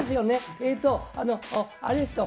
えとあれですよ